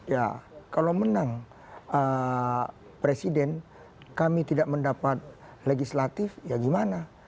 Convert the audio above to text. ya kalau menang presiden kami tidak mendapat legislatif ya gimana